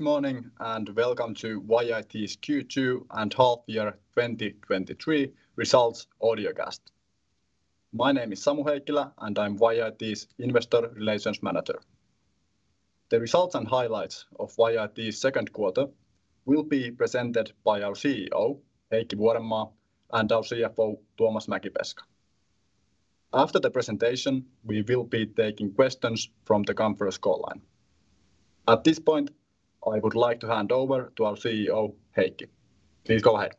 Good morning, and welcome to YIT's Q2 and half year 2023 results audiocast. My name is Samu Heikkilä, and I'm YIT's Investor Relations Manager. The results and highlights of YIT's second quarter will be presented by our CEO, Heikki Vuorenmaa, and our CFO, Tuomas Mäkipeska. After the presentation, we will be taking questions from the conference call line. At this point, I would like to hand over to our CEO, Heikki. Please go ahead.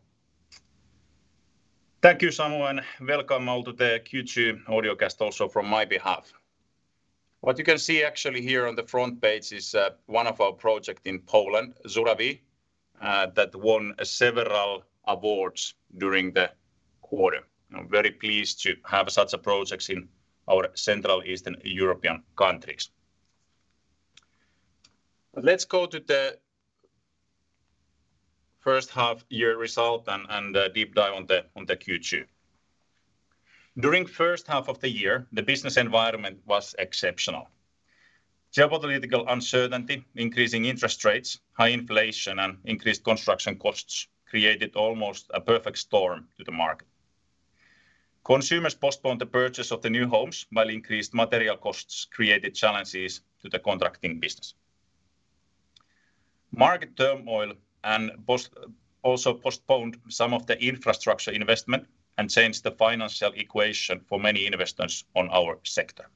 Thank you, Samu. Welcome all to the Q2 audiocast, also from my behalf. What you can see actually here on the front page is one of our project in Poland, Żurawie, that won several awards during the quarter. I'm very pleased to have such a projects in our Central Eastern European countries. Let's go to the first half-year result and deep dive on the Q2. During first half of the year, the business environment was exceptional. Geopolitical uncertainty, increasing interest rates, high inflation, and increased construction costs created almost a perfect storm to the market. Consumers postponed the purchase of the new homes, while increased material costs created challenges to the contracting business. Market turmoil also postponed some of the infrastructure investment and changed the financial equation for many investors on our sector.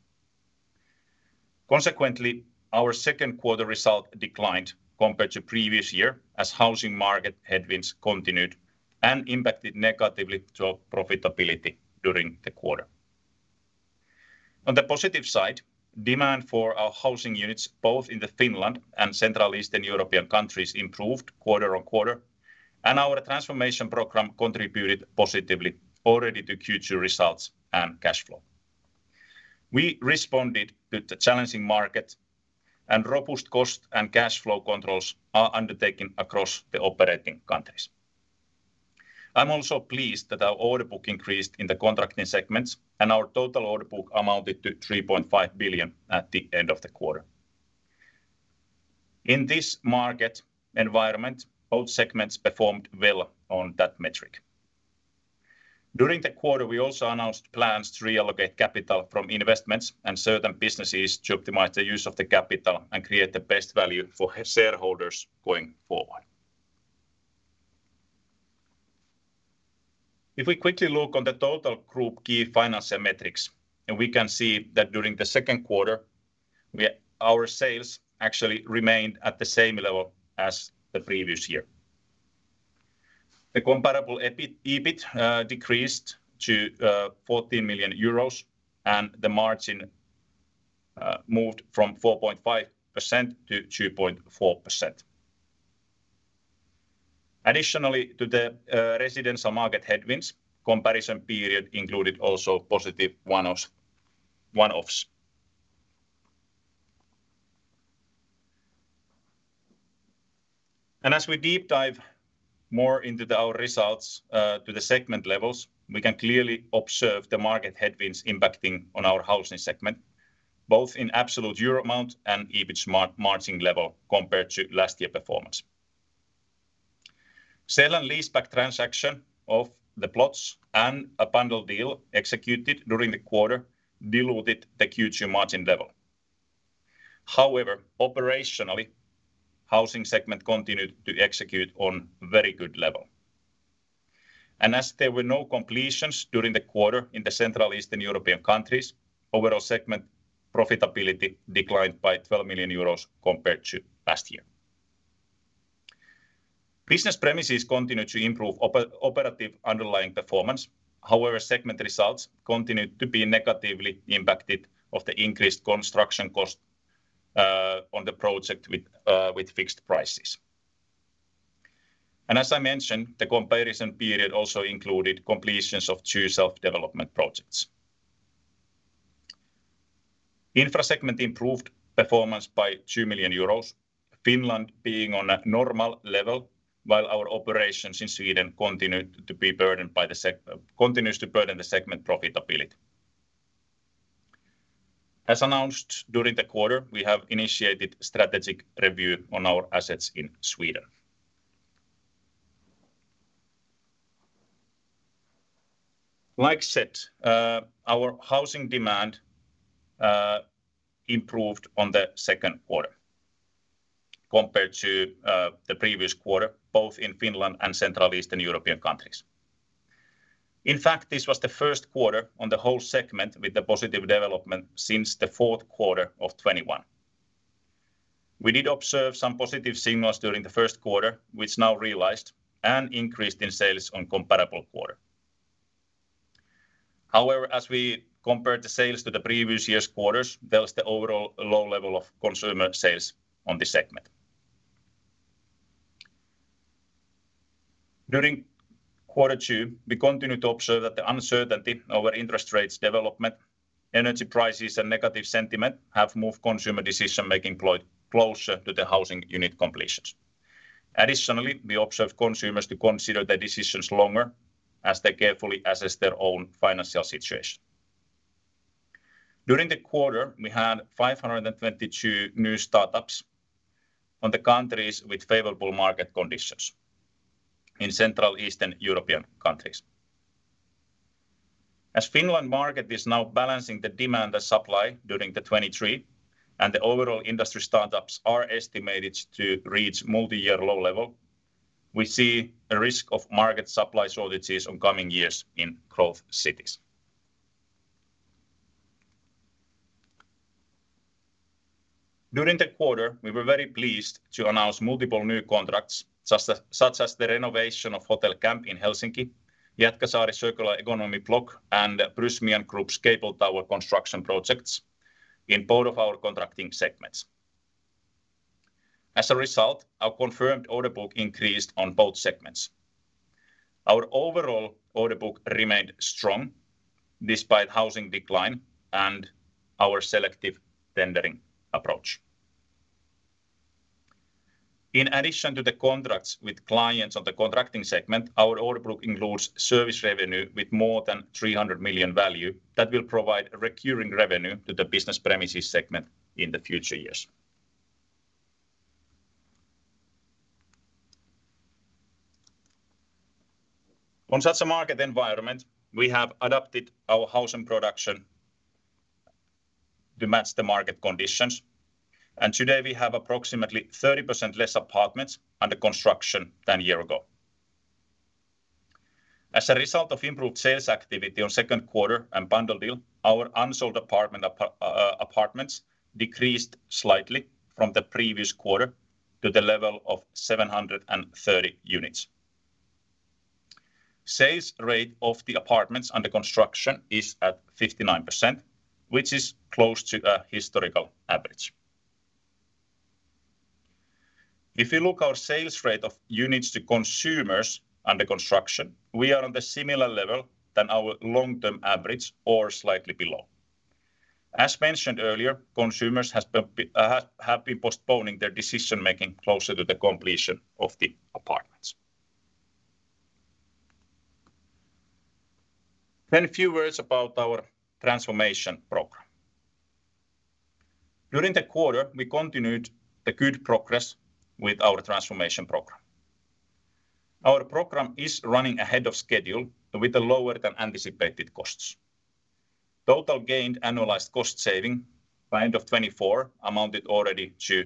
Consequently, our second quarter result declined compared to previous year as housing market headwinds continued and impacted negatively to our profitability during the quarter. On the positive side, demand for our housing units, both in Finland and Central Eastern European countries, improved quarter-on-quarter, and our transformation program contributed positively already to Q2 results and cash flow. We responded to the challenging market, and robust cost and cash flow controls are undertaken across the operating countries. I'm also pleased that our order book increased in the contracting segments, and our total order book amounted to 3.5 billion at the end of the quarter. In this market environment, both segments performed well on that metric. During the quarter, we also announced plans to reallocate capital from investments and certain businesses to optimize the use of the capital and create the best value for shareholders going forward. If we quickly look on the total group key financial metrics, and we can see that during the second quarter, our sales actually remained at the same level as the previous year. The comparable EBIT decreased to 14 million euros, and the margin moved from 4.5% - 2.4%. Additionally to the residential market headwinds, comparison period included also positive one-offs. As we deep dive more into our results, to the segment levels, we can clearly observe the market headwinds impacting on our housing segment, both in absolute euro amount and EBIT margin level compared to last year performance. Sale and leaseback transaction of the plots and a bundle deal executed during the quarter diluted the Q2 margin level. However, operationally, housing segment continued to execute on very good level. As there were no completions during the quarter in the Central Eastern European countries, overall segment profitability declined by 12 million euros compared to last year. Business premises continued to improve operative underlying performance. However, segment results continued to be negatively impacted of the increased construction cost on the project with fixed prices. As I mentioned, the comparison period also included completions of 2 self-development projects. Infra segment improved performance by 2 million euros, Finland being on a normal level, while our operations in Sweden continued to be burdened by the continues to burden the segment profitability. As announced during the quarter, we have initiated strategic review on our assets in Sweden. Like said, our housing demand improved on the second quarter compared to the previous quarter, both in Finland and Central Eastern European countries. In fact, this was the first quarter on the whole segment with the positive development since the fourth quarter of 2021. We did observe some positive signals during the first quarter, which now realized and increased in sales on comparable quarter. As we compare the sales to the previous year's quarters, there was the overall low level of consumer sales on this segment. During quarter two, we continued to observe that the uncertainty over interest rates development, energy prices, and negative sentiment have moved consumer decision-making closer to the housing unit completions. We observe consumers to consider their decisions longer as they carefully assess their own financial situation. During the quarter, we had 522 new startups on the countries with favorable market conditions in Central Eastern European countries. As Finland market is now balancing the demand and supply during 2023, and the overall industry startups are estimated to reach multi-year low level, we see a risk of market supply shortages on coming years in growth cities. During the quarter, we were very pleased to announce multiple new contracts, such as the renovation of Hotel Kämp in Helsinki, Jätkäsaari Circular Economy Block, and Prysmian Group's cable tower construction projects in both of our contracting segments. As a result, our confirmed order book increased on both segments. Our overall order book remained strong despite housing decline and our selective tendering approach. In addition to the contracts with clients on the contracting segment, our order book includes service revenue with more than 300 million value that will provide a recurring revenue to the business premises segment in the future years. On such a market environment, we have adapted our housing production, to match the market conditions. And today we have approximately 30% less apartments under construction than a year ago. As a result of improved sales activity on second quarter and bundle deal, our unsold apartments decreased slightly from the previous quarter to the level of 730 units. Sales rate of the apartments under construction is at 59%, which is close to a historical average. If you look our sales rate of units to consumers under construction, we are on the similar level than our long-term average or slightly below. As mentioned earlier, consumers has been, have been postponing their decision-making closer to the completion of the apartments. A few words about our transformation program. During the quarter, we continued the good progress with our transformation program. Our program is running ahead of schedule with a lower than anticipated costs. Total gained annualized cost saving by end of 2024 amounted already to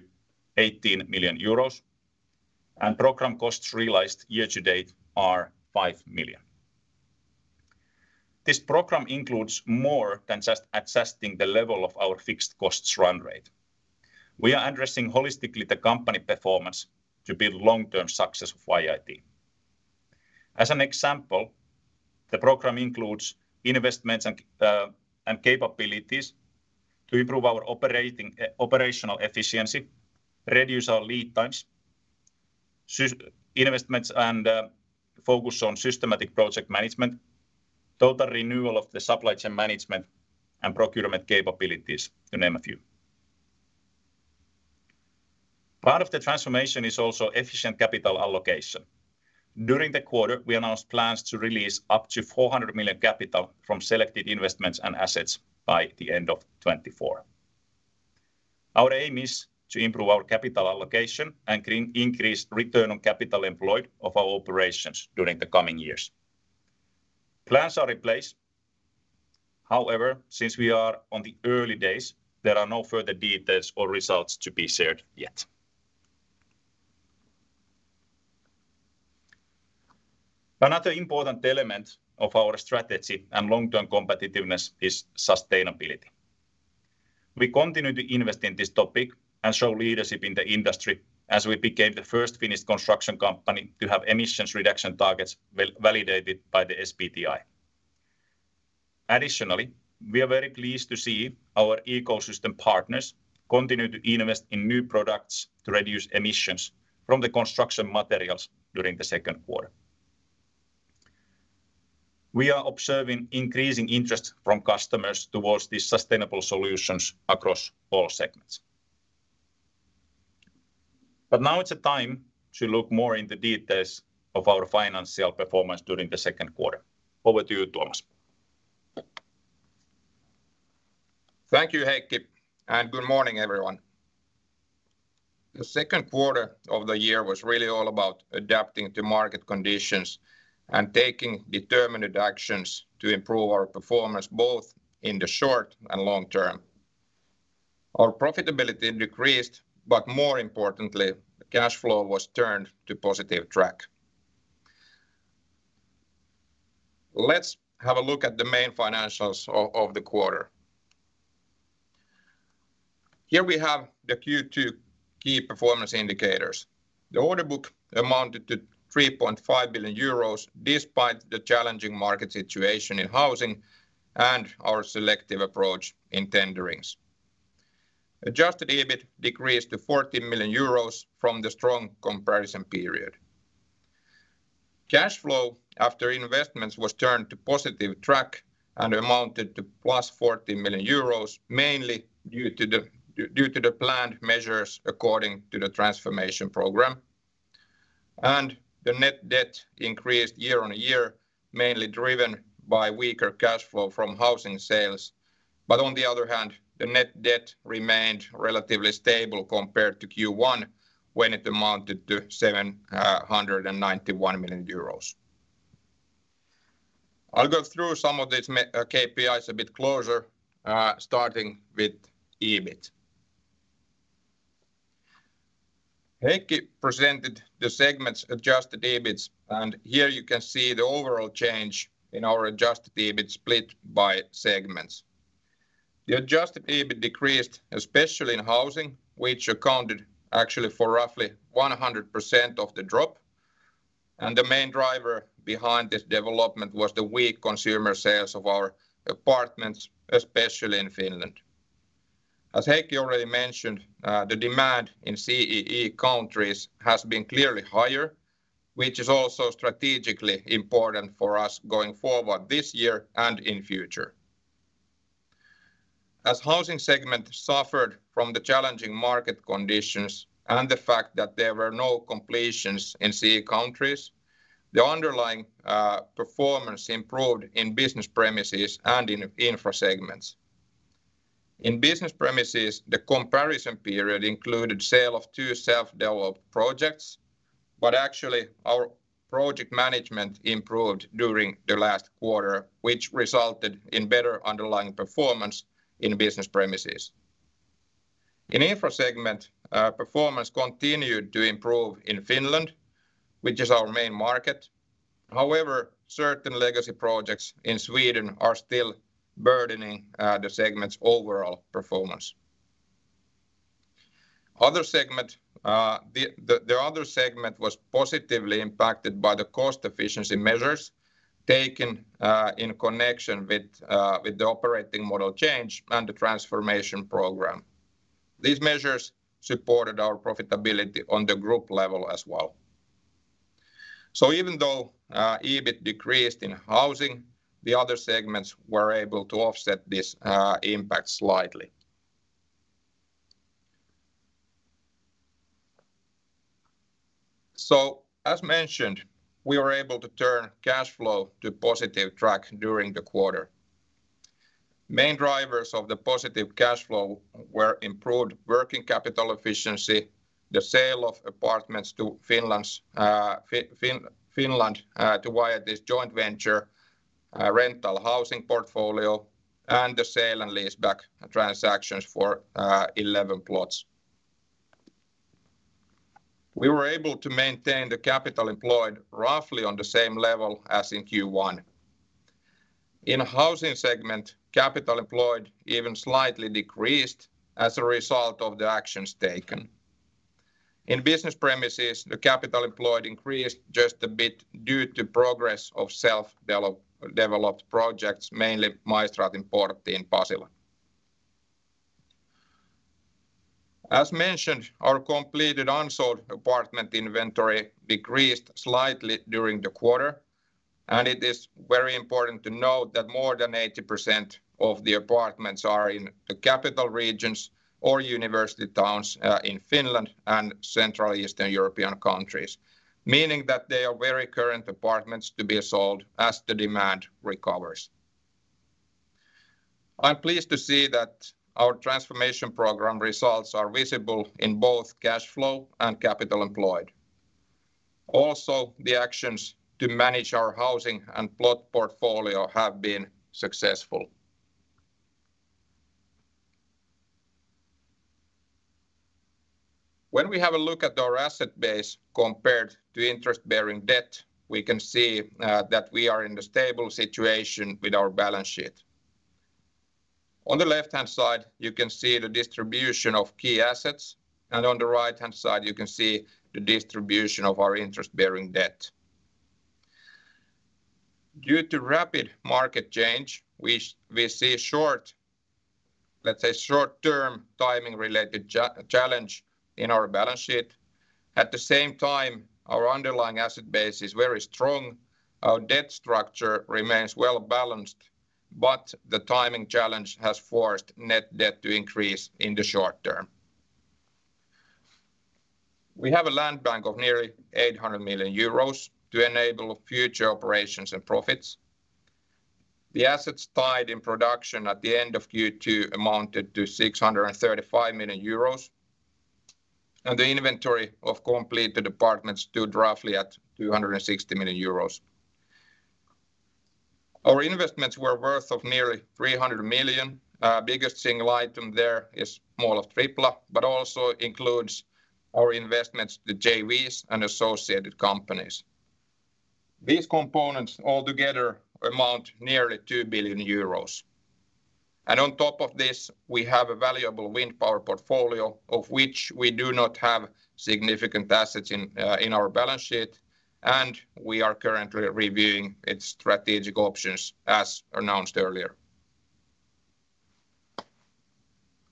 18 million euros. Program costs realized year to date are 5 million. This program includes more than just adjusting the level of our fixed costs run rate. We are addressing holistically the company performance to build long-term success of YIT. As an example, the program includes investments and capabilities to improve our operating operational efficiency, reduce our lead times, investments, and focus on systematic project management, total renewal of the supply chain management and procurement capabilities, to name a few. Part of the transformation is also efficient capital allocation. During the quarter, we announced plans to release up to 400 million capital from selected investments and assets by the end of 2024. Our aim is to improve our capital allocation and increase return on capital employed of our operations during the coming years. Plans are in place. However, since we are on the early days, there are no further details or results to be shared yet. Another important element of our strategy and long-term competitiveness is sustainability. We continue to invest in this topic and show leadership in the industry as we became the first Finnish construction company to have emissions reduction targets validated by the SBTi. Additionally, we are very pleased to see our ecosystem partners continue to invest in new products to reduce emissions from the construction materials during the second quarter. We are observing increasing interest from customers towards these sustainable solutions across all segments. Now it's a time to look more in the details of our financial performance during the second quarter. Over to you, Tuomas. Thank you, Heikki. Good morning, everyone. The second quarter of the year was really all about adapting to market conditions and taking determined actions to improve our performance, both in the short and long term. Our profitability decreased. More importantly, cash flow was turned to positive track. Let's have a look at the main financials of the quarter. Here we have the Q2 key performance indicators. The order book amounted to 3.5 billion euros, despite the challenging market situation in housing and our selective approach in tenderings. Adjusted EBIT decreased to 40 million euros from the strong comparison period. Cash flow after investments was turned to positive track and amounted to +40 million euros, mainly due to the planned measures according to the transformation program. The net debt increased year-on-year, mainly driven by weaker cash flow from housing sales. On the other hand, the net debt remained relatively stable compared to Q1, when it amounted to 791 million euros. I'll go through some of these KPIs a bit closer, starting with EBIT. Heikki presented the segment's Adjusted EBITs, and here you can see the overall change in our Adjusted EBIT split by segments. The Adjusted EBIT decreased, especially in housing, which accounted actually for roughly 100% of the drop, and the main driver behind this development was the weak consumer sales of our apartments, especially in Finland. As Heikki already mentioned, the demand in CEE countries has been clearly higher, which is also strategically important for us going forward this year and in future. Housing segment suffered from the challenging market conditions and the fact that there were no completions in CEE.countries, the underlying performance improved in business premises and in Infra segments. In business premises, the comparison period included sale of two self-developed projects, actually, our project management improved during the last quarter, which resulted in better underlying performance in business premises. In Infra segment, our performance continued to improve in Finland, which is our main market. Certain legacy projects in Sweden are still burdening the segment's overall performance. The other segment was positively impacted by the cost efficiency measures taken in connection with the operating model change and the transformation program. These measures supported our profitability on the group level as well. Even though EBIT decreased in housing, the other segments were able to offset this impact slightly. As mentioned, we were able to turn cash flow to positive track during the quarter. Main drivers of the positive cash flow were improved working capital efficiency, the sale of apartments to Finland's joint venture rental housing portfolio, and the sale and leaseback transactions for 11 plots. We were able to maintain the capital employed roughly on the same level as in Q1. In housing segment, capital employed even slightly decreased as a result of the actions taken. In business premises, the capital employed increased just a bit due to progress of self-developed projects, mainly Maistraatinportti in Pasila. As mentioned, our completed unsold apartment inventory decreased slightly during the quarter. It is very important to note that more than 80% of the apartments are in the capital regions or university towns in Finland and Central Eastern European countries, meaning that they are very current apartments to be sold as the demand recovers. I'm pleased to see that our transformation program results are visible in both cash flow and capital employed. The actions to manage our housing and plot portfolio have been successful. When we have a look at our asset base compared to interest-bearing debt, we can see that we are in a stable situation with our balance sheet. On the left-hand side, you can see the distribution of key assets. On the right-hand side, you can see the distribution of our interest-bearing debt. Due to rapid market change, we see short, let's say, short-term timing-related challenge in our balance sheet. At the same time, our underlying asset base is very strong. Our debt structure remains well-balanced, but the timing challenge has forced net debt to increase in the short term. We have a land bank of nearly 800 million euros to enable future operations and profits. The assets tied in production at the end of Q2 amounted to 635 million euros, and the inventory of completed apartments stood roughly at 260 million euros. Our investments were worth of nearly 300 million. Biggest single item there is Mall of Tripla, but also includes our investments to JVs and associated companies. These components altogether amount nearly 2 billion euros. On top of this, we have a valuable wind power portfolio, of which we do not have significant assets in our balance sheet, and we are currently reviewing its strategic options, as announced earlier.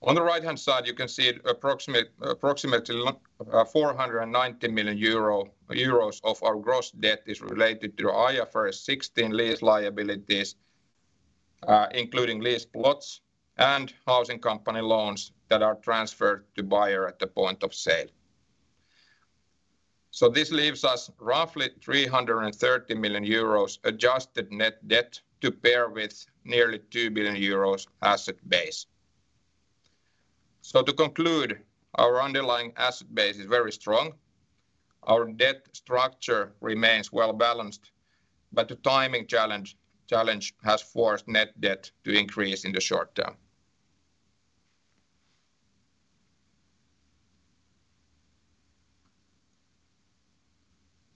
On the right-hand side, you can see approximately 490 million euro of our gross debt is related to IFRS 16 lease liabilities, including leased plots and housing company loans that are transferred to buyer at the point of sale. This leaves us roughly 330 million euros adjusted net debt to pair with nearly 2 billion euros asset base. To conclude, our underlying asset base is very strong. Our debt structure remains well-balanced, but the timing challenge has forced net debt to increase in the short term.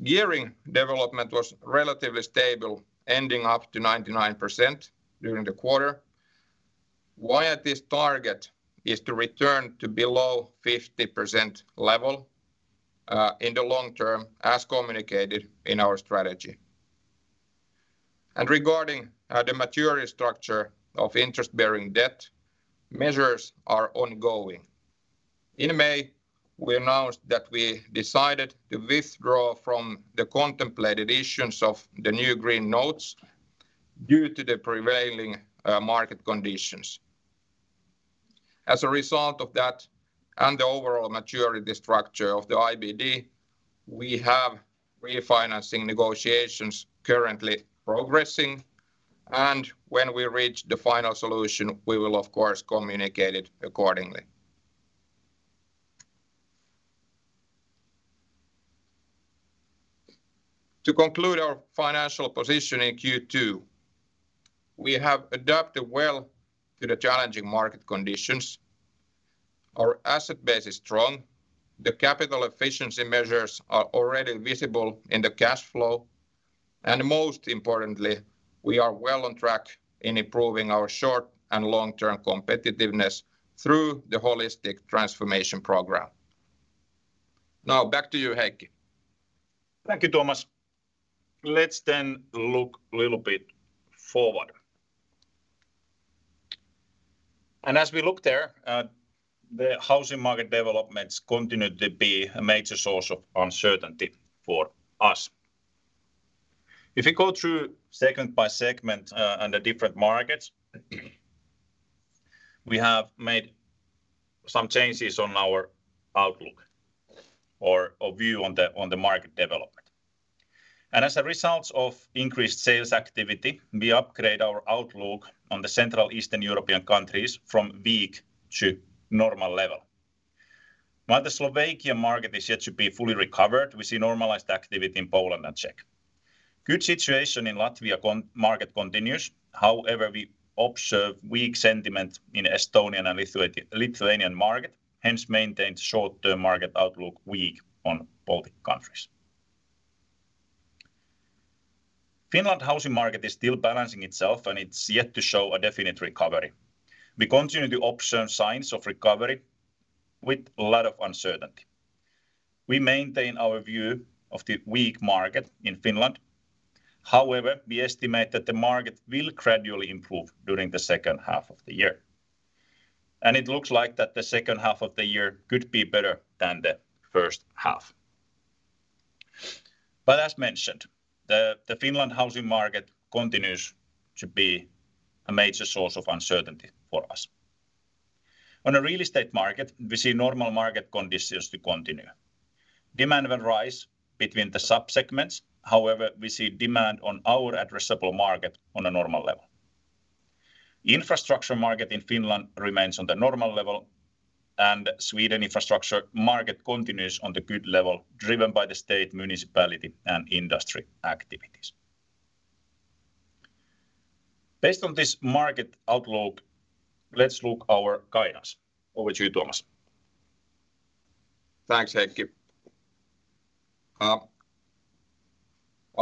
Gearing development was relatively stable, ending up to 99% during the quarter. Why at this target is to return to below 50% level in the long term, as communicated in our strategy. Regarding the maturity structure of interest-bearing debt, measures are ongoing. In May, we announced that we decided to withdraw from the contemplated issuance of the new Green Notes due to the prevailing market conditions. As a result of that, and the overall maturity structure of the IBD, we have refinancing negotiations currently progressing, and when we reach the final solution, we will of course, communicate it accordingly. To conclude our financial position in Q2, we have adapted well to the challenging market conditions. Our asset base is strong, the capital efficiency measures are already visible in the cash flow, and most importantly, we are well on track in improving our short- and long-term competitiveness through the holistic transformation program. Now, back to you, Heikki. Thank you, Tuomas. Let's then look a little bit forward. As we look there, the housing market developments continue to be a major source of uncertainty for us. If you go through segment by segment, and the different markets, we have made some changes on our outlook or, or view on the, on the market development. As a result of increased sales activity, we upgrade our outlook on the Central Eastern European countries from weak to normal level. While the Slovakian market is yet to be fully recovered, we see normalized activity in Poland and Czech. Good situation in Latvia market continues. However, we observe weak sentiment in Estonian and Lithuanian market, hence maintain short-term market outlook weak on Baltic countries. Finland housing market is still balancing itself, and it's yet to show a definite recovery. We continue to observe signs of recovery with a lot of uncertainty. We maintain our view of the weak market in Finland. However, we estimate that the market will gradually improve during the second half of the year, and it looks like that the second half of the year could be better than the first half. As mentioned, the Finland housing market continues to be a major source of uncertainty for us. On a real estate market, we see normal market conditions to continue. Demand will rise between the sub-segments, however, we see demand on our addressable market on a normal level. Infrastructure market in Finland remains on the normal level, and Sweden infrastructure market continues on the good level, driven by the state, municipality, and industry activities. Based on this market outlook, let's look our guidance. Over to you, Tuomas. Thanks, Heikki.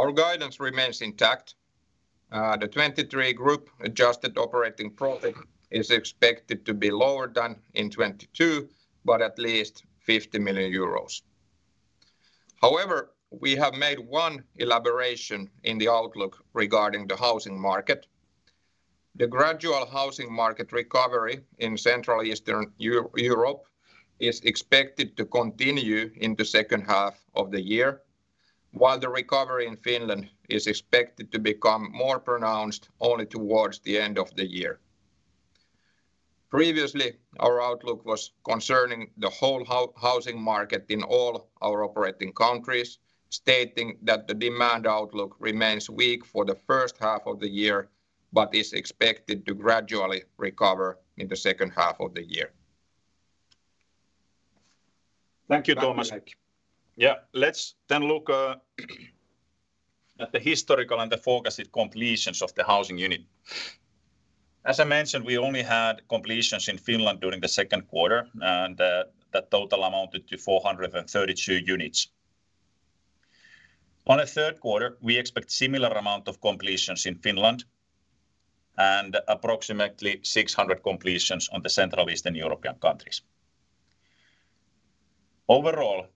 Our guidance remains intact. The 2023 group-adjusted operating profit is expected to be lower than in 2022, but at least 50 million euros. We have made one elaboration in the outlook regarding the housing market. The gradual housing market recovery in Central Eastern Europe is expected to continue in the second half of the year, while the recovery in Finland is expected to become more pronounced only towards the end of the year. Previously, our outlook was concerning the whole housing market in all our operating countries, stating that the demand outlook remains weak for the first half of the year, but is expected to gradually recover in the second half of the year. Thank you, Tuomas. Thank you, Heikki. Yeah. Let's then look at the historical and the forecasted completions of the housing unit. As I mentioned, we only had completions in Finland during the second quarter, and the total amounted to 432 units. On the third quarter, we expect similar amount of completions in Finland and approximately 600 completions on the Central Eastern European countries. Overall,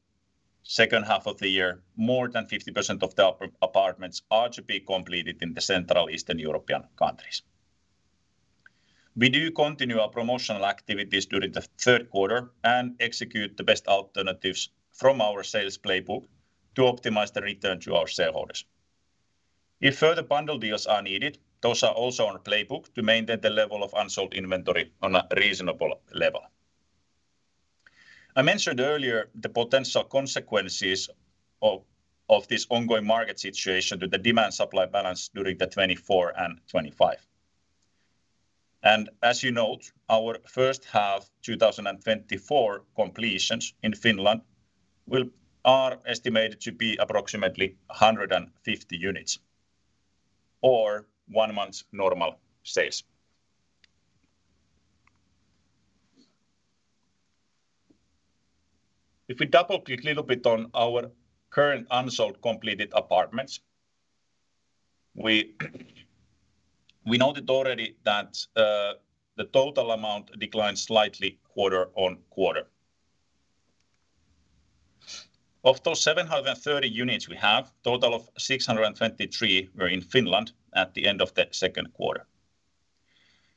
second half of the year, more than 50% of the apartments are to be completed in the Central Eastern European countries. We do continue our promotional activities during the third quarter and execute the best alternatives from our sales playbook to optimize the return to our shareholders. If further bundle deals are needed, those are also on playbook to maintain the level of unsold inventory on a reasonable level. I mentioned earlier the potential consequences of this ongoing market situation to the demand-supply balance during the 2024 and 2025. As you note, our first half 2024 completions in Finland are estimated to be approximately 150 units, or 1 month normal sales. If we double-click a little bit on our current unsold completed apartments, we noted already that the total amount declined slightly quarter on quarter. Of those 730 units we have, total of 623 were in Finland at the end of the second quarter.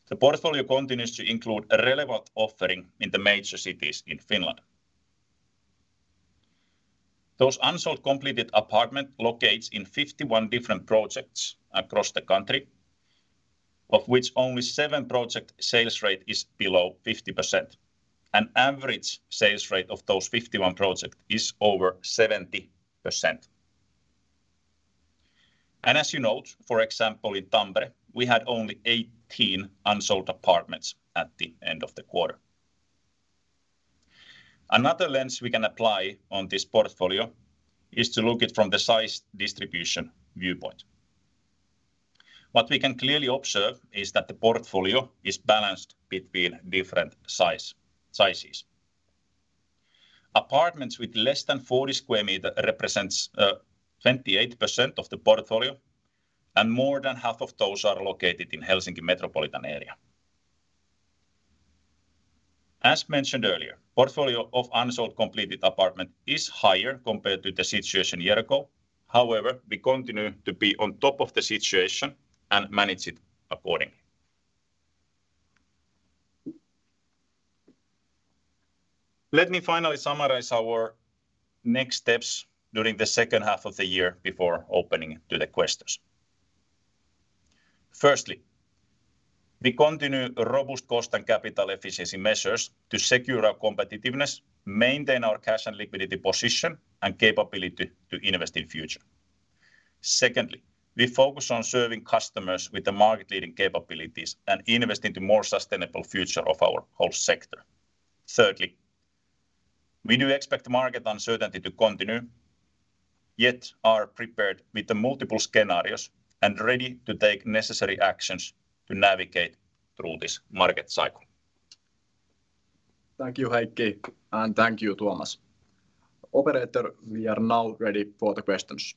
The portfolio continues to include a relevant offering in the major cities in Finland. Those unsold completed apartment locates in 51 different projects across the country, of which only 7 project sales rate is below 50%. An average sales rate of those 51 project is over 70%. As you note, for example, in Tampere, we had only 18 unsold apartments at the end of the quarter. Another lens we can apply on this portfolio is to look it from the size distribution viewpoint. What we can clearly observe is that the portfolio is balanced between different size, sizes. Apartments with less than 40 square meter represents 28% of the portfolio, and more than half of those are located in Helsinki metropolitan area. As mentioned earlier, portfolio of unsold completed apartment is higher compared to the situation a year ago. However, we continue to be on top of the situation and manage it accordingly. Let me finally summarize our next steps during the second half of the year before opening to the questions. Firstly, we continue robust cost and capital efficiency measures to secure our competitiveness, maintain our cash and liquidity position, and capability to invest in future. Secondly, we focus on serving customers with the market-leading capabilities and invest into more sustainable future of our whole sector. Thirdly, we do expect market uncertainty to continue, yet are prepared with the multiple scenarios and ready to take necessary actions to navigate through this market cycle. Thank you, Heikki, and thank you, Tuomas. Operator, we are now ready for the questions.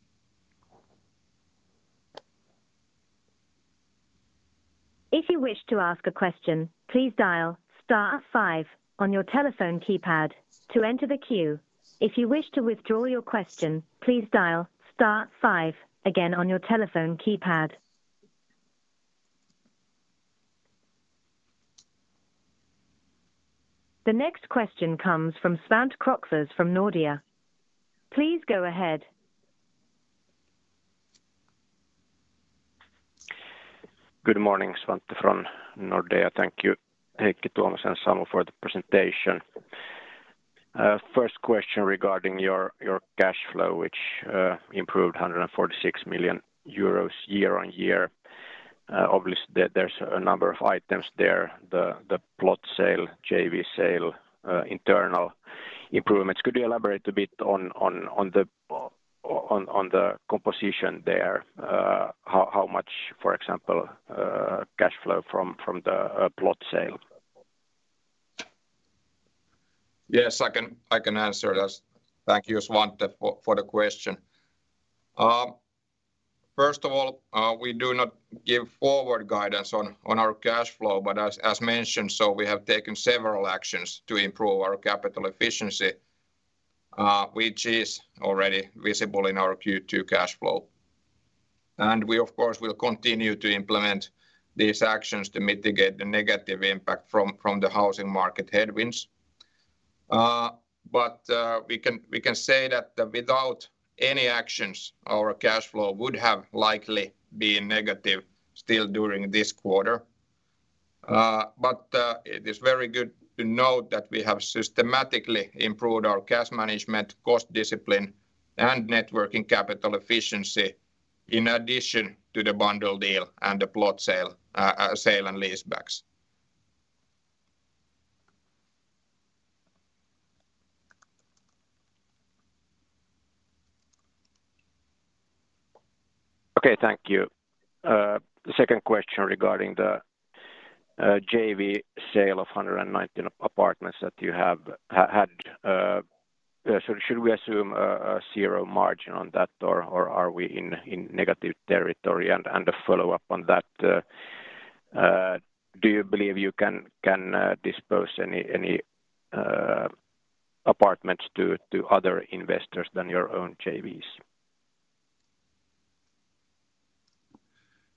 If you wish to ask a question, please dial star five on your telephone keypad to enter the queue. If you wish to withdraw your question, please dial star five again on your telephone keypad. The next question comes from Svante Krokfors from Nordea. Please go ahead. Good morning, Svante from Nordea. Thank you, Heikki, Tuomas, and Samu, for the presentation. First question regarding your, your cash flow, which improved 146 million euros year-on-year. Obviously, there, there's a number of items there, the, the plot sale, JV sale, internal improvements. Could you elaborate a bit on the composition there? How, how much, for example, cash flow from the plot sale? Yes, I can answer this. Thank you, Svante, for, for the question. First of all, we do not give forward guidance on, on our cash flow, but as, as mentioned, so we have taken several actions to improve our capital efficiency, which is already visible in our Q2 cash flow. We, of course, will continue to implement these actions to mitigate the negative impact from, from the housing market headwinds. We can, we can say that without any actions, our cash flow would have likely been negative still during this quarter. It is very good to note that we have systematically improved our cash management, cost discipline, and networking capital efficiency, in addition to the bundle deal and the plot sale, sale and leasebacks. Okay, thank you. The second question regarding the JV sale of 119 apartments that you have had. Should we assume a zero margin on that, or are we in negative territory? A follow-up on that, do you believe you can dispose any apartments to other investors than your own JVs?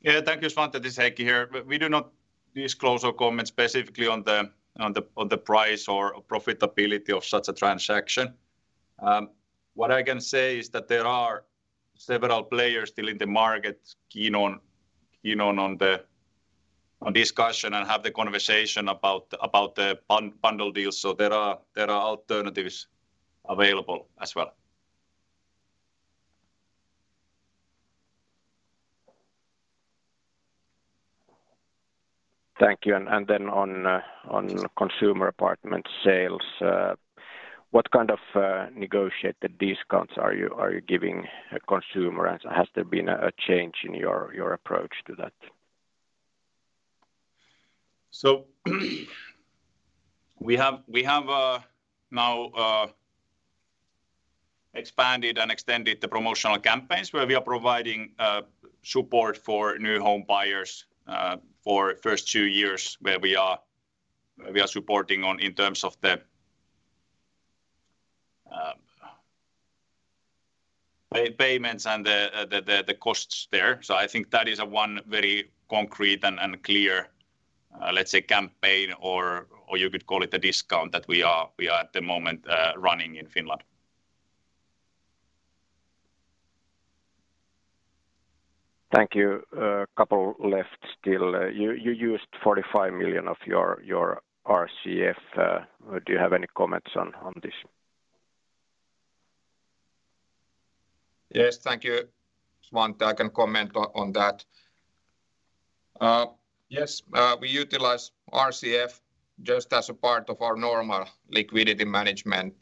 Yeah, thank you, Svante. This is Heikki here. We, we do not disclose or comment specifically on the, on the, on the price or profitability of such a transaction. What I can say is that there are several players still in the market keen on, keen on, on the, on discussion and have the conversation about, about the bundle deals. There are, there are alternatives available as well. Thank you. Then on consumer apartment sales, what kind of negotiated discounts are you giving a consumer? Has there been a change in your approach to that? We have, we have now expanded and extended the promotional campaigns where we are providing support for new home buyers for first 2 years, where we are, we are supporting on in terms of the payments and the, the, the, the costs there. I think that is a 1 very concrete and clear, let's say, campaign or, or you could call it a discount that we are, we are at the moment running in Finland. Thank you. couple left still. you, you used 45 million of your, your RCF. do you have any comments on, on this? Yes. Thank you, Svante. I can comment on, on that. Yes, we utilize RCF just as a part of our normal liquidity management.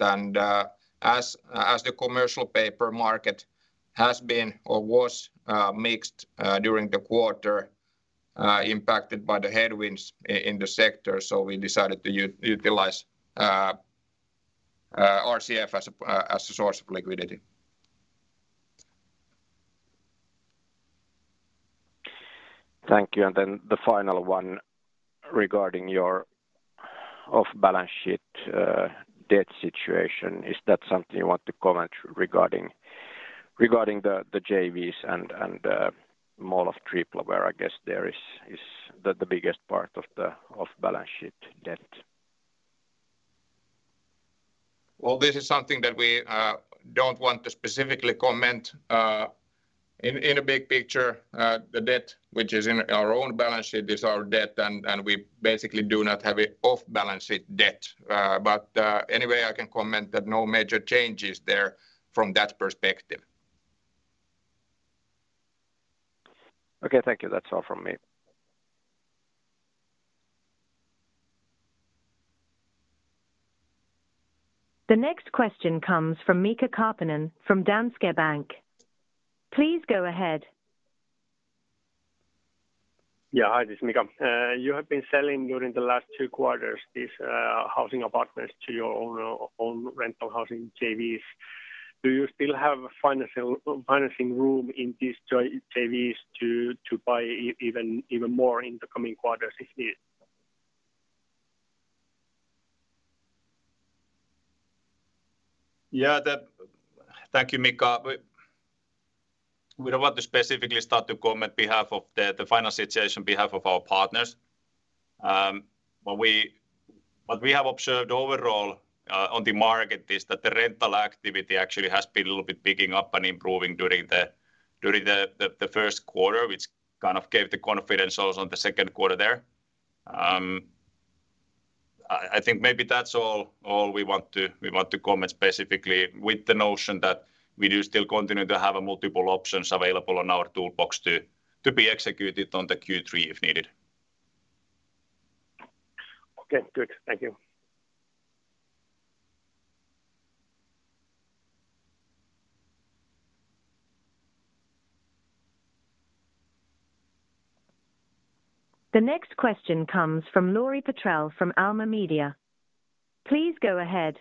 As, as the commercial paper market has been or was, mixed, during the quarter, impacted by the headwinds in the sector. We decided to utilize, RCF as a, as a source of liquidity. Thank you. Then the final one regarding your off-balance sheet debt situation. Is that something you want to comment regarding the JVs and Mall of Tripla, where I guess there is the biggest part of the off-balance sheet debt? This is something that we, don't want to specifically comment. In a big picture, the debt, which is in our own balance sheet, is our debt, and we basically do not have a off-balance sheet debt. Anyway, I can comment that no major changes there from that perspective. Okay, thank you. That's all from me. The next question comes from Mika Karppinen from Danske Bank. Please go ahead. Yeah. Hi, this is Mika. You have been selling during the last two quarters, these, housing apartments to your own, own rental housing JVs. Do you still have a financing room in these joint JVs to, to buy even, even more in the coming quarters, if needed? Yeah, that. Thank you, Mika. We, we don't want to specifically start to comment behalf of the final situation, behalf of our partners. What we have observed overall on the market, is that the rental activity actually has been a little bit picking up and improving during the first quarter, which kind of gave the confidence also on the second quarter there. I, I think maybe that's all, all we want to, we want to comment specifically with the notion that we do still continue to have a multiple options available on our toolbox to, to be executed on the Q3 if needed. Okay, good. Thank you. The next question comes from Lauri Petrell from Alma Media. Please go ahead.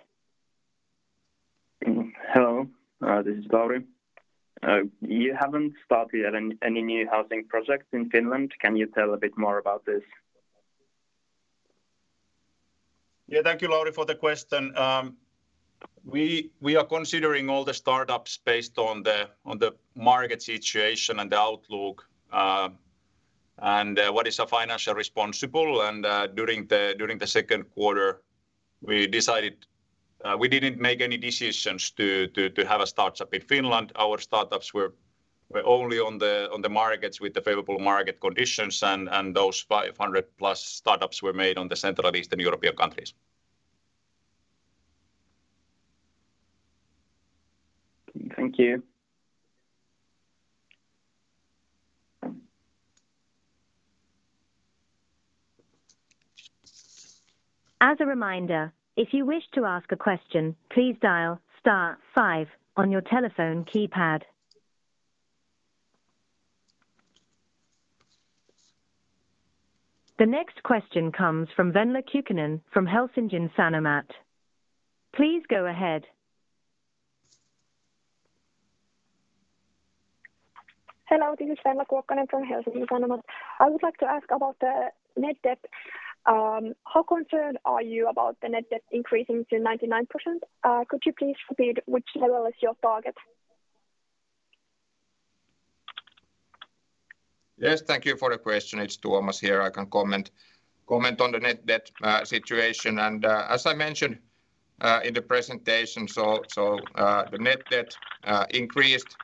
Hello, this is Lauri. You haven't started yet any, any new housing projects in Finland. Can you tell a bit more about this? Yeah, thank you, Lauri, for the question. We, we are considering all the startups based on the, on the market situation and the outlook, and what is a financial responsible. During the, during the second quarter, we decided... We didn't make any decisions to, to, to have a startup in Finland. Our startups were, were only on the, on the markets with the favorable market conditions, and those 500+ startups were made on the Central Eastern European countries. Thank you. As a reminder, if you wish to ask a question, please dial star 5 on your telephone keypad. The next question comes from Venla Kuokkanen from Helsingin Sanomat. Please go ahead. Hello, this is Venla Kuokkanen from Helsingin Sanomat. I would like to ask about the net debt- How concerned are you about the net debt increasing to 99%? Could you please repeat which level is your target? Yes, thank you for the question. It's Tuomas here. I can comment, comment on the net debt situation. As I mentioned in the presentation, the net debt increased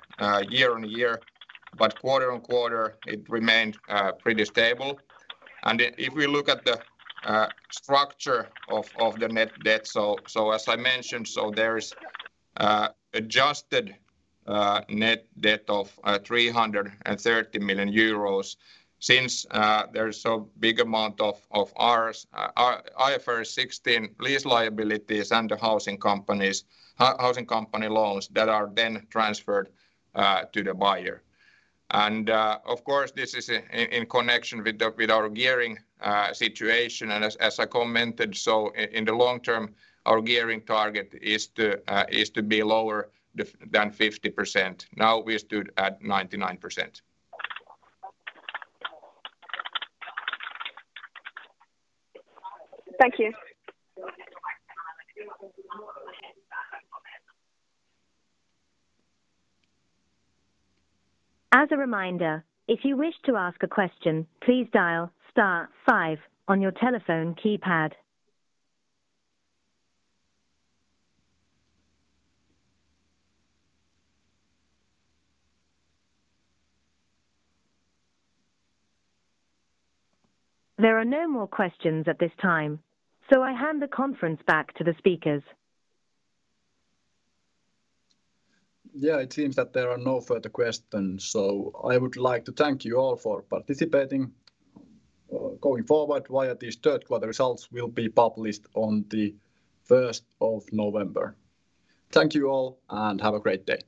year-on-year, but quarter-on-quarter it remained pretty stable. If we look at the structure of the net debt, as I mentioned, there's Adjusted net debt of 330 million euros since there is so big amount of ours, our IFRS 16 lease liabilities and the housing companies, housing company loans that are then transferred to the buyer. Of course, this is in connection with our gearing situation. As, as I commented, so in the long term, our gearing target is to, is to be lower than 50%. Now, we stood at 99%. Thank you. As a reminder, if you wish to ask a question, please dial star five on your telephone keypad. There are no more questions at this time. I hand the conference back to the speakers. Yeah, it seems that there are no further questions. I would like to thank you all for participating. Going forward, YIT's third quarter results will be published on the first of November.. Thank you all. Have a great day!